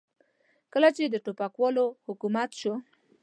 کله چې د ټوپکوالو حکومت شو.